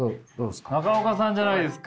中岡さんじゃないですか！